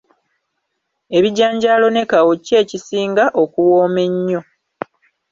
Ebijanjaalo ne kawo ki ekisinga okuwooma ennyo?